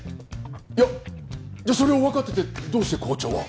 いやじゃあそれをわかっててどうして校長は？